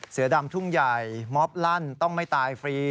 เสือดำทุ่งใหญ่ม็อบลั่นต้องไม่ตายฟรี